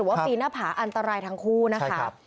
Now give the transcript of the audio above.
ว่าปีนหน้าผาอันตรายทั้งคู่นะคะ